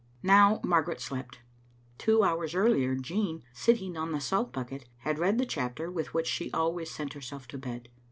Now Margaret slept. Two hours earlier, Jean, sit ting on the salt bucket, had read the chapter with which she always sent herself to bed.